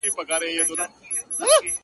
زموږ له شونډو مه غواړه زاهده د خلوت کیسه٫